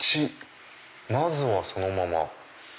「１まずはそのまま」。